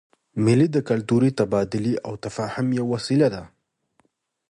مېلې د کلتوري تبادلې او تفاهم یوه وسیله ده.